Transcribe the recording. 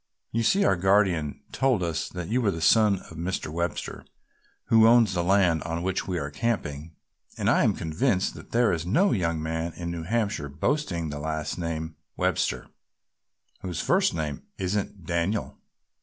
"You see our guardian told us that you were the son of the Mr. Webster who owns the land on which we are camping, and I am convinced that there is no young man in New Hampshire boasting the last name, Webster, whose first name isn't Daniel!